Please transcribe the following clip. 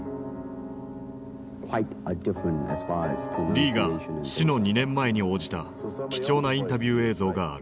リーが死の２年前に応じた貴重なインタビュー映像がある。